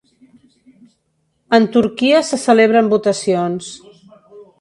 En Turquia se celebren votacions